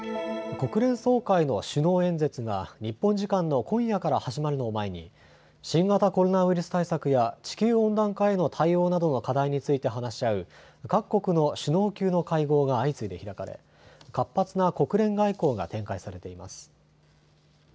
国連総会の首脳演説が日本時間の今夜から始まるのを前に新型コロナウイルス対策や地球温暖化への対応などの課題について話し合う各国の首脳級の会合が相次いで開かれ活発な国連外交が展開されています。